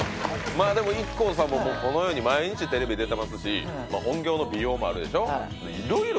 まあでもＩＫＫＯさんもこのように毎日テレビ出てますし本業の美容もあるでしょ